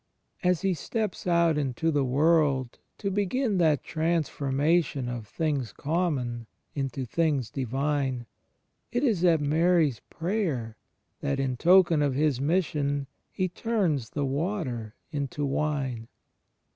As He steps out into the world to begin that transformation of things common into things divine, it is at Mary's prayer that, in token of His Mission, He turns the water into wine.